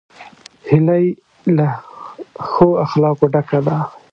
هیلۍ له ښو اخلاقو ډکه ده